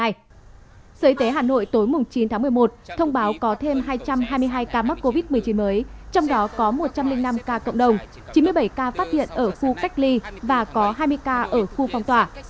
sở y tế hà nội tối chín tháng một mươi một thông báo có thêm hai trăm hai mươi hai ca mắc covid một mươi chín mới trong đó có một trăm linh năm ca cộng đồng chín mươi bảy ca phát hiện ở khu cách ly và có hai mươi ca ở khu phong tỏa